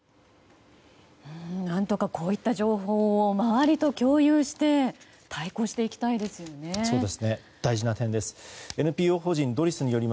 何とかこういった情報を周りと共有して対抗していきたいですよね。